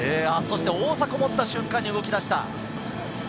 大迫が持った瞬間に動き出した。